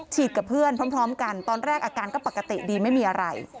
กับเพื่อนพร้อมกันตอนแรกอาการก็ปกติดีไม่มีอะไร